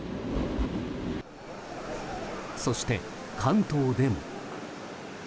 そして、関東でも。